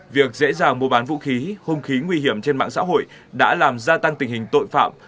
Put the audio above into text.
việc dễ dàng mua bán vũ khí hung khí nguy hiểm trên mạng xã hội đã làm gia tăng tình hình tội phạm